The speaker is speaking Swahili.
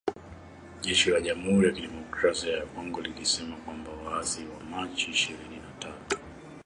Jeshi la Jamuhuri ya kidemokrasia ya Kongo lilisema kwamba waasi wa Machi ishirini na tatu